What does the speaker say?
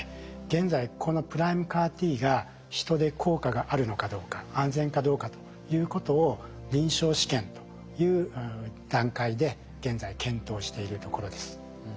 現在このＰＲＩＭＥＣＡＲ−Ｔが人で効果があるのかどうか安全かどうかということを臨床試験という段階で現在検討しているところです。